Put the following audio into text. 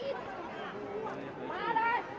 ต้องใจร่วม